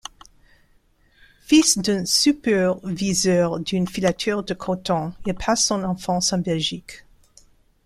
Fils d'un superviseur d'une filature de coton, il passe son enfance en Belgique.